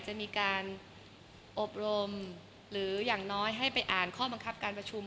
จะมีการอบรมหรืออย่างน้อยให้ไปอ่านข้อบังคับการประชุม